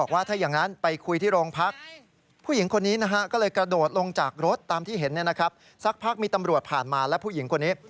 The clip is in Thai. วิภาคมีตำรวจผ่านมาแล้วผู้หญิงคนนี้